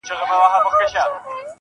د ميني شر نه دى چي څـوك يـې پــټ كړي.